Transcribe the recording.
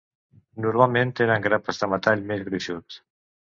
Normalment tenen grapes de metall més gruixut.